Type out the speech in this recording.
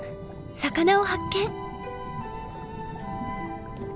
魚を発見。